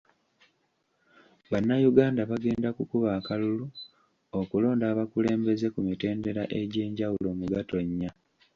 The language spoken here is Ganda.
Bannayuganda bagenda kukuba akalulu okulonda abakulembeze ku mitendera egy'enjawulo mu Gatonya.